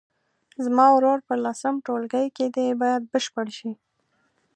زما ورور په لسم ټولګي کې دی باید بشپړ شي.